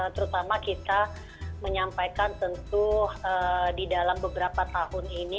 terutama kita menyampaikan tentu di dalam beberapa tahun ini